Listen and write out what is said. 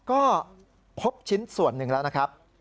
ก็พบชิ้นส่วนหนึ่งแล้วนะครับ